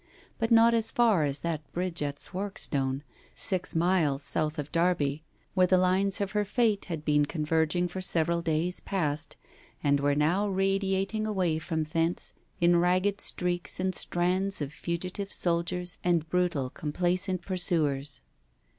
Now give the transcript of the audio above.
But not as far as that bridge at Swarkstone, six miles south of Derby, where the lines of her fate had been converging for several days past, and were now radiating away from thence in ragged streaks and strands of fugitive soldiers and brutal complacent pursuers.